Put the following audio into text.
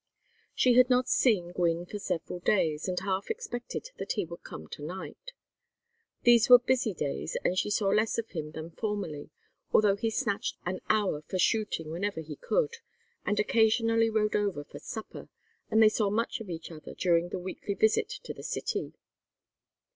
She had not seen Gwynne for several days, and half expected that he would come to night. These were busy days, and she saw less of him than formerly, although he snatched an hour for shooting whenever he could, and occasionally rode over for supper; and they saw much of each other during the weekly visit to the city.